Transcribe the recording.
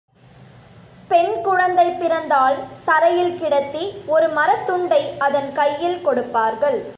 பெண் குழந்தை பிறந்தால் தரையில் கிடத்தி ஒரு மரத்துண்டை அதன் கையில் கொடுப்பார்கள்.